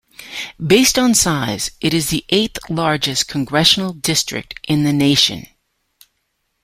Based on size, it is the eighth largest congressional district in the nation.